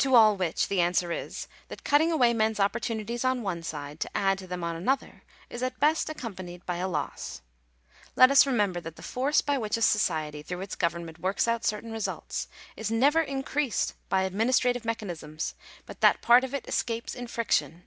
To all which the answer is, that cutting away men's opportu nities on one side, to add to them on another, is at best accom panied by a loss. Let us remember that the force by which a society, through its government, works out certain results, is never increased by administrative mechanisms, but that part of it escapes in friction.